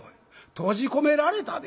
閉じ込められたで？